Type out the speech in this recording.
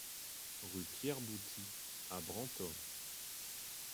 Rue Pierre Bouty à Brantôme